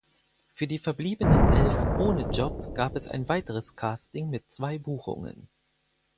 Für die verbliebenen elf ohne Job gab es ein weiteres Casting mit zwei Buchungen.